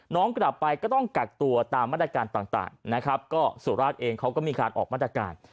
น้องกลับไปก็ต้องกักตัวตามมาตรการต่างนะครับก็สุราชเองเขาก็มีการออกมาตรการ